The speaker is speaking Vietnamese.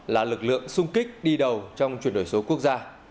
là lực lượng sung kích đi đầu trong chuyển đổi số quốc gia